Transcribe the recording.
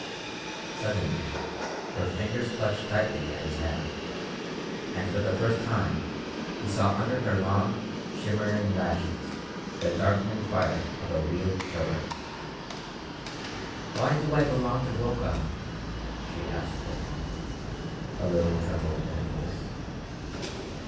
Suddenly her fingers clutched tightly at his hand, and for the first time he saw under her long, shimmering lashes the darkening fire of a real terror. "Why do I belong to Brokaw?" she asked again, a little tremble in her voice.